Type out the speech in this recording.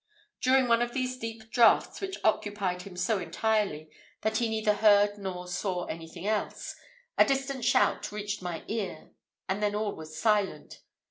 During one of these deep draughts, which occupied him so entirely, that he neither heard nor saw anything else, a distant shout reached my ear, and then all was silent.